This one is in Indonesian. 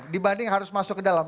dibanding harus masuk ke dalam